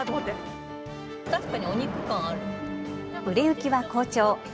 売れ行きは好調。